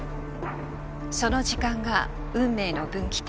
その時間が運命の分岐点。